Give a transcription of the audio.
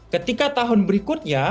ketika tahun berikutnya